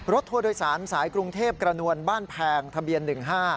ทัวร์โดยสารสายกรุงเทพกระนวลบ้านแพงทะเบียน๑๕